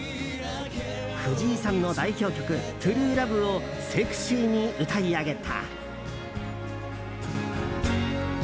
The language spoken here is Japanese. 藤井さんの代表曲「ＴＲＵＥＬＯＶＥ」をセクシーに歌い上げた。